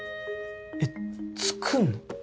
えっ作んの？